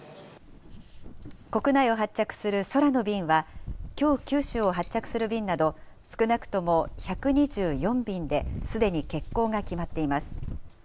国内を発着する空の便は、きょう、九州を発着する便など、少なくとも１２４便ですでに欠航が決まっています。